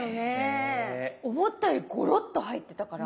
思ったよりゴロッと入ってたから。